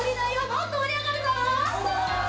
もっと盛り上がるぞ！